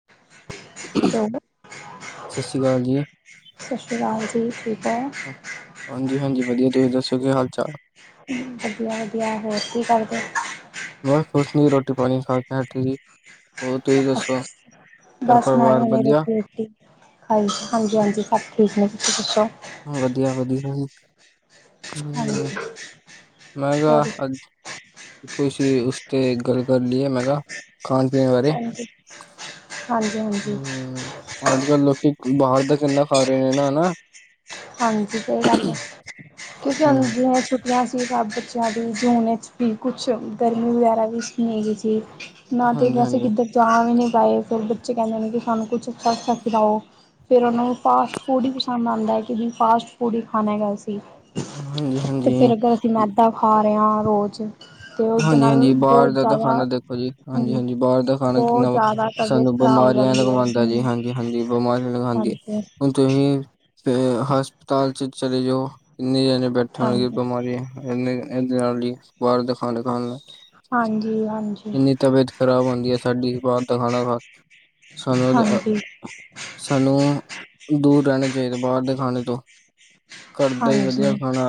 [unintelligible] ਸ਼ਸ਼੍ਰੀ ਅਕਾਲ ਜੀ। ਸ਼ਸ਼੍ਰੀ ਅਕਾਲ ਜੀ ਠੀਕ ਹੋ। ਹਾਂਜੀ, ਹਾਂਜੀ ਵਧੀਆ ਤੁਸੀਂ ਦੱਸੋ। ਕੀ ਹਾਲ ਚਾਲ। ਵਧੀਆ, ਵਧੀਆ। ਹੋਰ ਕੀ ਕਰਦੇ। ਬੱਸ ਕੁਛ ਨੀ, ਰੋਟੀ ਪਾਣੀ ਖਾ ਕੇ ਹਟੀ ਸੀ। ਅਛ ਘਰ ਬਸ ਮੈ ਵੀ ਪਰਿਵਾਰ ਹਾਲੇ ਵਧੀਆ? ਰੋਟੀ ਰੋਟੀ। [unintelligible] ਹਾ ਹਾਂਜੀ, ਹਾਂਜੀ ਸਭ ਠੀਕ ਨੇ, ਤੁਸੀਂ ਦੱਸੋ। ਮੈਂ ਵਧੀਆਂ ਵਧੀਆ, ਹੀ। ਹਾਂਜੀ। [unintelligible] ਮੈਂ ਕਿਹਾ, ਹੋਰ ਅੱਜ, ਕਿਸੀ ਉਸ ਤੇ ਗੱਲ ਕਰ ਲਈਏ, ਮੈਂ ਕਿਹਾ ਖਾਣ ਪੀਣ ਬਾਰੇ, ਹਾਂਜੀ ਹਾਂਜੀ ਹਾਂਜੀ ਹੂੰ। ਅੱਜ-ਕੱਲ ਲੋਕੀ ਬਾਹਰ ਦਾ ਕਿੰਨਾ ਖਾ ਰਹੇ ਨੇ ਨਾ ਹਨਾ। ਹਾਂਜੀ ਸਹੀ ਗੱਲ ਹੈ, ਕਿਉਂਕਿ ਹੂੰ, ਹੁੰਦੀ ਹੋ ਛੁੱ ਜਾ ਅਸੀਂ ਸਭ ਬੱਚਿਆਂ ਦੀ ਜੂਨ ਵਿੱਚ ਵੀ ਕੁਛ ਗਰਮੀ ਵਗੈਰਾ ਵੀ ਨੀ ਕੀਤੀ। ਨਾ ਤੇ ਹਾਂਜੀ ਵੈਸੇ ਹਾਂਜੀ ਕਿੱਧਰ ਜਾ ਵੀ ਨਹੀਂ ਪਾਏ ਫਿਰ ਬੱਚੇ ਕਹਿੰਦੇ ਨੇ ਕਿ ਸਾਨੂੰ ਕੁਛ ਅੱਛਾ ਖਿਲਾਓ ਫਿਰ ਉਹਨਾਂ ਨੂੰ ਫਾਸਟ ਫੂਡ ਹੀ ਪਸੰਦ ਆਂਦਾ ਹੈ ਕਿ ਨਹੀਂ ਫਾਸਟ ਫੂਡ ਹੀ ਖਾਣਾ ਗਾ ਅਸੀਂ। ਹਾਂਜੀ ਤੇ ਹਾਂਜੀ ਫਿਰ ਅਗਰ ਅਸੀਂ ਮੈਦਾ ਖਾ ਰਹੇ ਹਾਂ ਰੋਜ਼। ਤੇ ਉਸਦੇ ਨਾਲ ਹਾਂਜੀ-ਹਾਂਜੀ, ਬਾਹਰ ਬਹੁਤ ਦਾ ਤਾਂ ਜ਼ਿਆਦਾ ਖਾਣਾ ਦੇਖੋ ਜੀ, ਹਾਂਜੀ ਹਮ -ਹਾਂਜੀ ਬਾਹਰ ਦਾ ਖਾਣਾ ਬਹੁਤ ਕਿੰਨਾ ਵਾ ਜ਼ਿਆਦਾ ਤਬੀਅਤ ਸਾਨੂੰ ਖ਼ਰਾਬ ਹੋ ਬਿਮਾਰੀਆਂ ਜਾਂਦੀ ਹੈ ਲਗਵਾਉਂਦਾ ਜੀ, ਹਮ ਹਾਂਜੀ-ਹਾਂਜੀ ਬਿਮਾਰੀਆਂ ਲਗਾਉਂਦੀ। ਹਾਂਜੀ ਹੁਣ ਤੁਸੀਂ, ਫੇ ਹਸਪਤਾਲ ਚ ਚਲੇ ਜਾਓ ਕਿੰਨੇ ਜਣੇ ਬੈਠੇ ਹੋਣਗੇ ਹਾਂਜੀ ਬਿਮਾਰੀ, ਇਨੇ ਇਹ ਤਾਂ ਹੈ ਜੀ ਬਾਹਰ ਦੇ ਖਾਣੇ ਖਾਣ ਨਾ ਹਾਂਜੀ-ਹਾਂਜੀ। ਇੰਨੀ ਤਬੀਅਤ ਖ਼ਰਾਬ ਹੁੰਦੀ ਹੈ ਸਾਡੀ ਬਾਹਰ ਦਾ ਖਾਣਾ ਖਾ, ਸਾਨੂੰ ਹਾਂਜੀ ਸਾਨੂੰ ਦੂਰ ਰਹਿਣੇ ਚਾਹੀਦੇ ਬਾਹਰ ਦੇ ਖਾਣੇ ਤੋਂ ਘਰ ਦਾ ਹੀ ਵਧੀਆ ਹਾਂਜੀ ਖਾਣਾ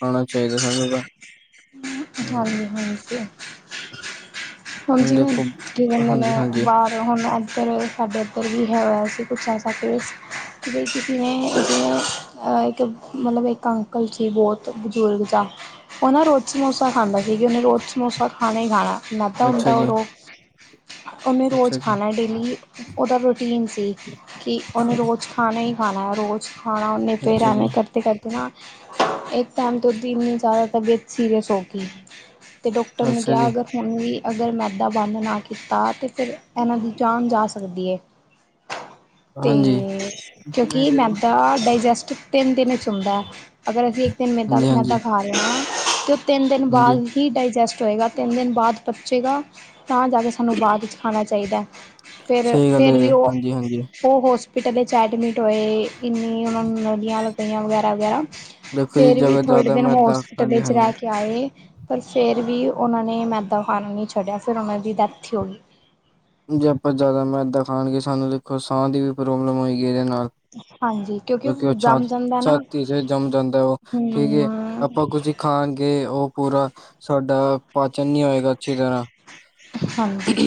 ਖਾਣਾ ਚਾਹੀਦਾ ਸਾਨੂੰ ਤਾਂ, ਹਮ, ਹਾਂਜੀ-ਹਾਂਜੀ। [inaudible] ਹੁਣ ਜਿਵੇਂ ਦੇਖੋ ਕਿ ਕਹਿਦੇ ਨੇ ਹਾਂਜੀ-ਹਾਂਜੀ ਬਾਹਰ ਹੁਣ ਇੱਧਰ ਸਾਡੇ ਇੱਧਰ ਵੀ ਹੈਗਾ ਸੀ ਕੁਛ ਐਸਾ ਕੁ ਕੀ ਕਿਸੀ ਨੇ ਉਸੇ, ਅ ਇੱਕ ਮਤਲਬ ਇੱਕ ਅੰਕਲ ਸੀ ਬਹੁਤ ਬਜ਼ੁਰਗ ਜਾ, ਉਹ ਨਾ ਰੋਜ਼ ਸਮੋਸਾ ਖਾਂਦਾ ਸੀ ਗਾ ਉਹਨੇ ਰੋਜ਼ ਸਮੋਸਾ ਖਾਣਾ ਹੀ ਖਾਣਾ ਅੱਛਾ ਹੁੰਦਾ-ਹੁੰਦਾ ਜੀ ਓਦੋ ਉਹਨੇ ਅੱਛਾ ਰੋਜ਼ ਜੀ ਖਾਣਾ ਡੇਲੀ ਡੇਲੀ ਉਹਦਾ ਰੂਟੀਨ ਸੀ ਕਿ ਉਹਨੇ ਰੋਜ਼ ਖਾਣਾ ਹੀ ਖਾਣਾ ਰੋਜ਼ ਖਾਣਾ ਉਹਨੇ ਫੇਰ ਅੱਛਾ ਜੀ ਐਵੇਂ ਕਰਦੇ-ਕਰਦ ਨਾ ਇੱਕ ਟਾਈਮ ਤੇ ਉਹਦੀ ਇੰਨੀ ਜ਼ਿਆਦਾ ਤਬੀਅਤ ਸੀਰੀਅਸ ਹੋ ਗਈ। ਤੇ ਡਾਕਟਰ ਨੇ ਅੱਛਾ ਕਿਹਾ ਜੀ, ਅਗਰ ਹੁਣ ਵੀ ਅਗਰ ਮੈਦਾ ਬੰਦ ਨਾ ਕੀਤਾ ਤਾਂ ਫਿਰ ਇਹਨਾਂ ਦੀ ਜਾਨ ਜਾ ਸਕਦੀ ਐ। [inaudible] ਤੇ ਕਿਵੇਂ ਕਿਉਂਕਿ ਦੇ ਦੋ। ਮੈਦਾ ਡਾਇਜੈਸਟ ਤਿੰਨ ਦਿਨ ਚ ਹੁੰਦਾ ਹੈ। ਅਗਰ ਅਸੀਂ ਇੱਕ ਦਿਨ ਮੈਦਾ ਹਾਂਜੀ, ਹਾਂਜੀ, ਮੈਦਾ ਖਾ ਰਹੇ ਹਾਂ ਅਤੇ ਉਹ ਤਿੰਨ ਦਿਨ ਹਾਂਜੀ ਬਾਅਦ ਹੀ ਡਾਇਜੈਸਟ ਹੋਏਗਾ ਤਿੰਨ ਦਿਨ ਬਾਅਦ ਪਚੇਗਾ ਤਾਂ ਜਾ ਕੇ ਤੁਹਾਨੂੰ ਬਾਅਦ ਵਿੱਚ ਖਾਣਾ ਚਾਹੀਦਾ ਹੈ ਸਹੀ ਗੱਲ ਫਿਰ-ਫਿਰ ਹੈ, ਵੀ ਉਹ ਹਾਂਜੀ, ਹਾਂਜੀ। ਓ ਹੋਸਪਿਟਲ ਵਿੱਚ ਐਡਮਿਟ ਹੋਏ ਇੰਨੀ ਉਹਨਾਂ ਨੂੰ ਨਲੀਆਂ ਲਗੀਆਂ ਵਗੈਰਾ-ਵਗੈਰਾ। ਦੇਖੋ ਜੀ ਫੇਰ ਵੀ ਜਗ੍ਹਾ ਥੋੜੇ ਜ਼ਿਆਦਾ ਦਿਨ ਮੈਦਾ ਹੋਸਪਿਟਲ ਹਾਂਜੀ, ਚ ਰਹਿ ਹਾਂਜੀ। ਕੇ ਆਏ ਪਰ ਫੇਰ ਵੀ ਉਹਨਾਂ ਨੇ ਮੈਦਾ ਖਾਣਾ ਨਹੀਂਵ ਛੱਡਿਆ ਫਿਰ ਉਹਨਾਂ ਦੀ ਡੈਥ ਹੀ ਹੋ ਗਈ। ਜੇ ਆਪਾਂ ਜ਼ਿਆਦਾ ਮੈਦਾ ਖਾਣਗੇ ਸਾਨੂੰ ਦੇਖੋ ਸਾਹ ਦੀ ਵੀ ਪ੍ਰੋਬਲਮ ਹੋਏਗੀ ਇਹਦੇ ਨਾਲ ਹਾਂਜੀ ਕਿਉਂਕਿ ਉਹ ਛਾ ਜੰਮ ਜਾਂਦਾ ਨਾ ਛਾਤੀ ਚ ਜੰਮ ਜਾਂਦਾ ਉਹ ਠੀਕ ਏ ਹੂੰ ਆਪਾਂ ਕੁਝ ਖਾਣਗੇ ਉਹ ਪੂਰਾ ਸਾਡਾ ਪਾਚਨ ਨੀ ਹੋਏਗਾ ਅੱਛੀ ਤਰ੍ਹਾਂ। ਹਾਂਜੀ।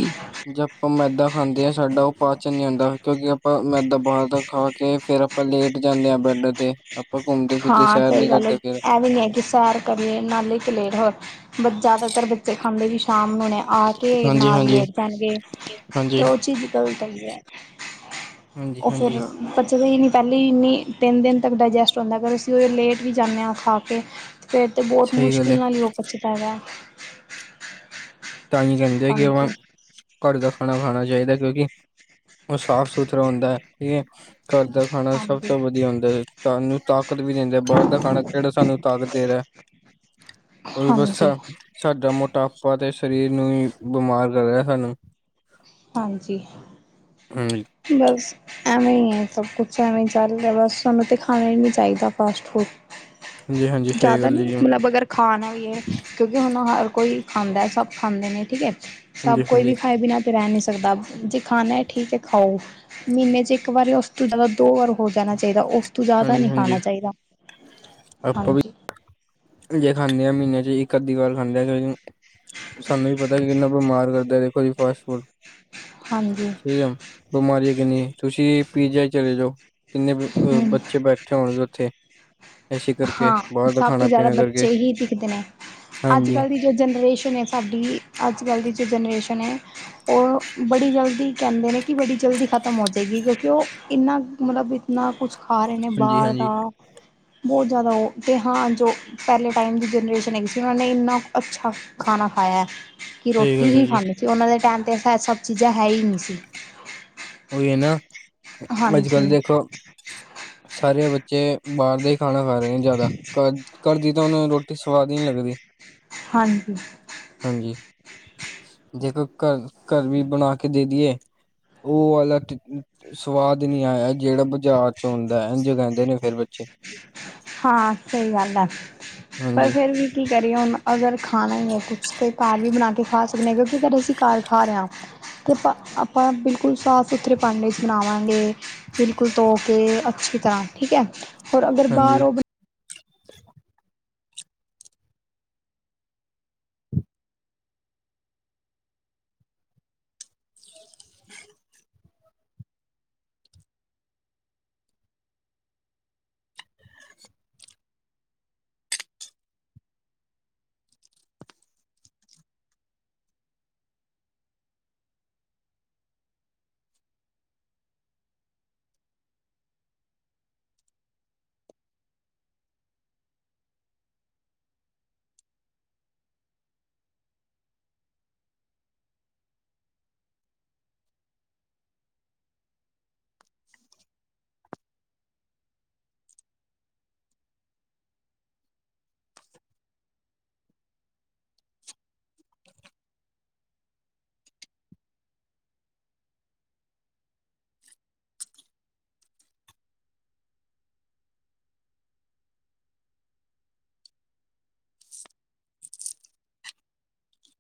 ਜੇ ਆਪਾਂ ਮੈਦਾ ਖਾਂਦੇ ਹਾਂ ਸਾਡਾ ਉਹ ਪਾਚਨ ਨਹੀ ਹੁੰਂਦਾ ਕਿਉਂਕਿ ਆਪਾਂ ਮੈਦਾ ਬਾਹਰ ਦਾ ਖਾ ਕੇ ਫਿਰ ਆਪਾਂ ਲੇਟ ਜਾਂਦੇ ਹਾਂ ਬੈੱਡ ਤੇ ਆਪਾਂ ਘੁੰਮਦੇ ਫਿਰਦੇ ਹਾਂ ਸੈਰ ਸਹੀ ਨੀ ਗੱਲ ਹੈ, ਕਰਦੇ ਫਿਰ ਇਹ ਵੀ ਨੀ ਹੈ ਕਿ ਸੈਰ ਕਰੀਏ ਨਾਲੇ ਕਿ ਲੇਟ ਹੋਰ, ਜ਼ਿਆਦਾਤਰ ਬੱਚੇ ਖਾਂਦੇ ਵੀ ਸ਼ਾਮ ਨੂੰ ਨੇ। ਆ ਕੇ ਹਾਂਜੀ, ਨਾਲ ਹਾਂਜੀ, ਲੇਟ ਜਾਣਗੇ ਹਾਂਜੀ। ਤੇ ਉਹ ਚੀਜ਼ ਗਲਤ ਹੈਗੀ ਐ। ਉਹ ਹਾਂਜੀ-ਹਾਂਜੀ ਫਿਰ ਬੱਚੇ ਤਾਂ ਇਹ ਨਹੀਂ ਪਹਿਲੀ ਇੰਨੀ ਤਿੰਨ ਦਿਨ ਤੱਕ ਡਾਇਜੈਸਟ ਹੁੰਦਾ ਅਗਰ ਅਸੀਂ ਉਹ ਲੇਟ ਵੀ ਜਾਂਦੇ ਆ ਖਾ ਕੇ। ਫੇਰ ਤੇ ਬਹੁਤ ਸਹੀ ਗੱਲ ਏ ਮੁਸ਼ਕਿਲ ਨਾਲ ਉਹ ਪਚਦਾ ਹੈਗਾ। ਤਾਂਹੀ ਕਹਿੰਦੇ ਕਿ ਹਾਂਜੀ, ਓਵੇਂ ਘਰ ਦਾ ਖਾਣਾ-ਖਾਣਾ ਚਾਹੀਦਾ ਕਿਉਂਕਿ ਉਹ ਸਾਫ਼-ਸੁਥਰਾ ਹੁੰਦਾ। ਠੀਕ ਐ ਘਰ ਦਾ ਖਾਣਾ ਸਭ ਹਾਂਜੀ। ਤੋਂ ਵਧੀਆ ਹੁੰਦਾ ਤੁਹਾਨੂੰ ਤਾਕਤ ਵੀ ਦਿੰਦੇ, ਬਾਹਰ ਦਾ ਖਾਣਾ ਕਿਹੜਾ ਸਾਨੂੰ ਤਾਕਤ ਦੇ ਰਿਹਾ, ਓ ਵੀ ਬਸ ਹਾਂਜੀ, ਸਾਡਾ ਮੋਟਾਪਾ ਤੇ ਸਰੀਰ ਨੂੰ ਹੀ ਬਿਮਾਰ ਕਰ ਰਿਹਾ ਸਾਨੂੰ। ਹਾਂਜੀ, ਹਾਂਜੀ ਬਸ ਐਵੇਂ ਹੀ ਆ। ਸਭ ਕੁਛ ਐਵੇਂ ਹੀ ਚੱਲ ਰਿਹਾ ਬਸ ਸਾਨੂੰ ਤੇ ਖਾਣਾ ਹੀ ਨਹੀਂ ਚਾਹੀਦਾ ਫਾਸਟ ਫੂਡ। ਹਾਂਜੀ-ਹਾਂਜੀ ਸਹੀ ਜ਼ਿਆਦਾ ਗੱਲ ਨੀ ਜੀ ਮਤਲਬ ਅਗਰ ਖਾਣਾ ਈ ਏ। ਕਿਉਂਕਿ ਹੁਣ ਹਰ ਕੋਈ ਖਾਂਦਾ ਏ, ਸਭ ਖਾਂਦੇ ਨੇ ਠੀਕ ਐ ਸਭ ਕੋਈ ਹਾਂਜੀ-ਹਾਂਜੀ ਵੀ ਖਾਏ ਬਿਨਾ ਰਹਿ ਨਹੀਂ ਸਕਦਾ ਜੇ ਖਾਣਾ ਐ ਠੀਕ ਐ ਖਾਓ, ਮਹੀਨੇ 'ਚ ਇੱਕ ਵਾਰੀ ਉਸ ਤੋਂ ਦੋ ਵਾਰ ਹੋ ਜਾਣਾ ਚਾਹੀਦਾ ਉਸ ਤੋਂ ਜ਼ਿਆਦਾ ਨਹੀਂ ਹਾਂਜੀ-ਹਾਂਜੀ ਖਾਣਾ ਚਾਹੀਦਾ। [inaudible] ਹਾਂਜੀ। ਜੇ ਖਾਣੇ ਆ ਮਹੀਨੇ ਚ ਇੱਕ ਅੱਧੀ ਵਾਰ ਖਾਂਦੇ ਆ ਸਾਨੂੰ ਵੀ ਪਤਾ ਕਿ ਕਿੰਨਾ ਬਿਮਾਰ ਕਰਦਾ ਐ ਦੇਖੋ ਜੀ ਫਾਸਟ ਫੂਡ। ਹਾਂਜੀ ਠੀਕ ਆ, ਬਿਮਾਰੀਆਂ ਕਿੰਨੀਆਂ ਤੁਸੀਂ ਪੀ ਜੀ ਆਈ ਚ ਚਲੇ ਜਾਉ? ਕਿੰਨੇ ਹੂੰ ਬੱਚੇ ਬੈਠੇ ਹੋਣਗੇ ਉੱਥੇ, ਇਸ ਕਰਕੇ ਬਾਹਰ ਖਾਣਾ ਪਹਿਲੇ ਪੀਣਾ ਕਰਕੇ ਬੱਚੇ ਹੀ ਦਿਖਦੇ ਨੇ ਹਾਂਜੀ ਅੱਜ-ਕੱਲ੍ਹ ਦੀ ਜਨਰੇਸ਼ਨ ਏ ਸਾਡੀ ਅੱਜ ਕੱਲ ਦੀ ਜੋ ਜਨਰੇਸ਼ਨ ਏ ਉਹ ਬੜੀ ਜਲਦੀ ਕਹਿੰਦੇ ਨੇ ਕਿ ਬੜੀ ਜਲਦੀ ਖ਼ਤਮ ਹੋ ਜਾਏਗੀ ਕਿਉਂਕਿ ਉਹ ਇੰਨਾ ਮਤਲਬ ਇਤਨਾ ਕੁਛ ਖਾ ਰਹੇ ਨੇ ਹਾਂਜੀ ਬਾਹਰ ਹਾਂਜੀ ਦਾ। ਬਹੁਤ ਜ਼ਿਆਦਾ ਉਹ ਤੇ ਹਾਂ ਜੋ ਪਹਿਲੇ ਟਾਈਮ ਦੀ ਜਨਰੇਸ਼ਨ ਹੈਗੀ ਸੀ। ਉਹਨਾਂ ਨੇ ਇੰਨਾ ਅੱਛਾ ਖਾਣਾ ਖਾਇਆ। ਕਿ ਸਹੀ ਰੋਟੀ ਗੱਲ ਹੈ ਹੀ ਜੀ ਖਾਂਦੇ ਸੀ, ਉਹਨਾਂ ਦੇ ਟਾਈਮ ਤੇ ਸਭ ਚੀਜ਼ਾਂ ਹੈ ਹੀ ਨਹੀਂ ਸੀ। ਉਹੀ ਐ ਨਾ ਅੱਜ-ਕੱਲ ਹਾਂਜੀ ਦੇਖੋ ਸਾਰੇ ਬੱਚੇ ਬਾਹਰ ਦਾ ਹੀ ਖਾਣਾ ਖਾ ਰਹੇ ਨੇ ਜ਼ਿਆਦਾ ਘਰ ਘਰ ਦੀ ਤਾਂ ਉਹਨੂੰ ਰੋਟੀ ਸਵਾਦ ਹੀ ਨਹੀਂ ਲੱਗਦੀ। ਹਾਂਜੀ। ਹਾਂਜੀ, ਜੇਕਰ ਘਰ ਘਰ ਵੀ ਬਣਾ ਕੇ ਦੇ ਦਈਏ। ਉਹ ਵਾਲਾ ਸਵਾਦ ਨਹੀਂ ਆਇਆ ਜਿਹੜਾ ਬਾਜ਼ਾਰ ਚ ਆਉਂਦਾ ਐਂਝ ਕਹਿੰਦੇ ਨੇ ਫਿਰ ਬੱਚੇ। ਹਾਂ ਸਹੀ ਗੱਲ ਆ ਪਰ ਹਾਂਜੀ ਫੇਰ ਵੀ ਕੀ ਕਰੀਏ ਹੁਣ ਅਗਰ ਖਾਣਾ ਹੀ ਐ ਕੁਛ ਤੇ ਘਰ ਵੀ ਬਣਾ ਕੇ ਖਾ ਸਕਦੇ ਆ ਕਿਉਂਕਿ ਜੇਕਰ ਅਸੀਂ ਘਰ ਖਾ ਰਹੇ ਹਾਂ ਤਾਂ ਆਪ ਆਪਾਂ ਬਿਲਕੁਲ ਸਾਫ਼-ਸੁਥਰੇ ਭਾਂਡੇ 'ਚ ਬਣਾਵਾਂਗੇ। ਬਿਲਕੁਲ ਧੋ ਕੇ ਅੱਛੀ ਤਰ੍ਹਾਂ ਠੀਕ ਆ ਔਰ ਅਗਰ ਹਾਂਜੀ ਬਾਹਰ ਉਹ